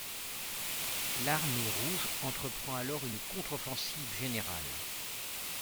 L’Armée rouge entreprend alors une contre-offensive générale.